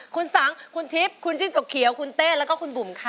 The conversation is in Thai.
คุณสังคุณทิพย์คุณจิ้งจกเขียวคุณเต้แล้วก็คุณบุ๋มค่ะ